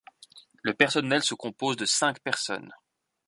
Le personnel se compose de cinq personnes.